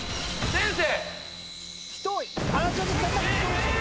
先生！